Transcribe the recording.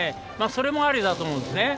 それもありだと思うんですね。